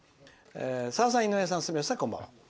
「さださん、井上さん住吉さん、こんばんは。